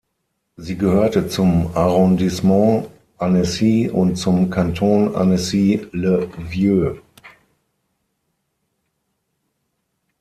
Sie gehörte zum Arrondissement Annecy und zum Kanton Annecy-le-Vieux.